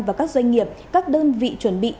và các doanh nghiệp các đơn vị chuẩn bị